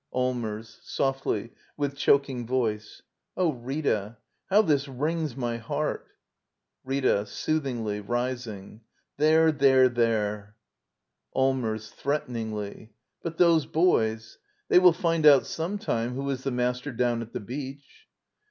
Allmers. [Softly, with choking voice.] Oh, Rita — how this wrings my heart ! Rita. [Soothingly, rising.] There, there, there! Allmers. [Threateningly.] But those bo3^ — they will find out sometime who is the master down at the beach!